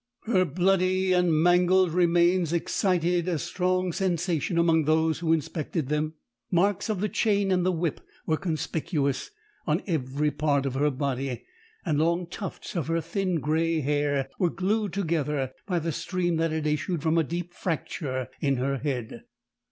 Her bloody and mangled remains excited a strong sensation among those who inspected them. Marks of the chain and the whip were conspicuous on every part of her body, and long tufts of her thin grey hair were glued together by the stream that had issued from a deep fracture in her head.